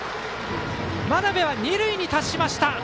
真鍋は二塁に達しました。